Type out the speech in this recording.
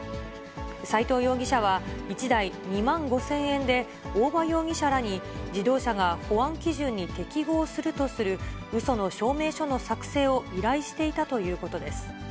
斉藤容疑者は、１台２万５０００円で、大庭容疑者らに、自動車が保安基準に適合するとするうその証明書の作成を依頼していたということです。